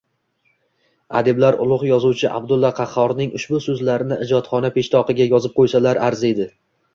Adiblar ulug’ yozuvchi Abdulla Qahhorning ushbu so’zlarini ijodxona peshtoqiga yozib qo’ysalar arziydi.